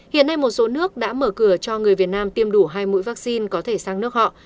hiện nay một số nước đã mở cửa cho người việt nam tiêm đủ hai mũi vaccine có thể sang nước họ